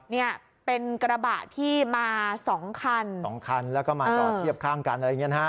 เนี่ยเป็นกระบะที่มาสองคันสองคันแล้วก็มาจอดเทียบข้างกันอะไรอย่างเงี้นะฮะ